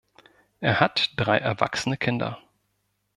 Er hat drei erwachsene Kinder.